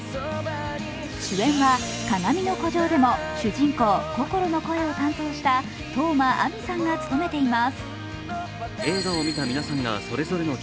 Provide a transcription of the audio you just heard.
主演は「かがみの孤城」でも主人公・こころの声を担当した當真あみさんが務めています。